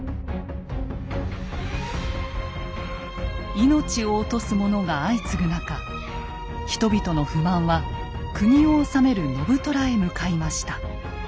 命を落とす者が相次ぐ中人々の不満は国を治める信虎へ向かいました。